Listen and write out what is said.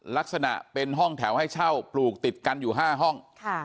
ลักษณะเป็นห้องแถวให้เช่าปลูกติดกันอยู่๕ห้อง